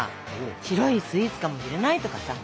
白いスイーツかもしれないとかさ。